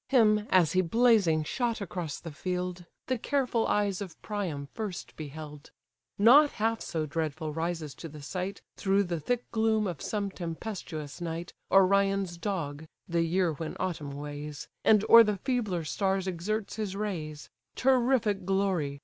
Him, as he blazing shot across the field, The careful eyes of Priam first beheld. Not half so dreadful rises to the sight, Through the thick gloom of some tempestuous night, Orion's dog (the year when autumn weighs), And o'er the feebler stars exerts his rays; Terrific glory!